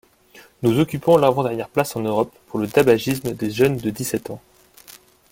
Nous occupons l’avant-dernière place en Europe pour le tabagisme des jeunes de dix-sept ans.